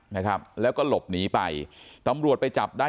นะครับแล้วก็หลบหนีไปตำรวจไปจับได้